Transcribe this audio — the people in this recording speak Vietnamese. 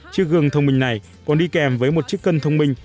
chiếc gương thông minh này còn đi kèm với một chiếc cân thông minh